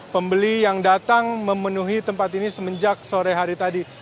pembeli yang datang memenuhi tempat ini semenjak sore hari tadi